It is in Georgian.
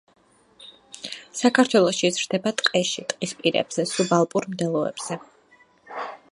საქართველოში იზრდება ტყეში, ტყის პირებზე, სუბალპურ მდელოებზე.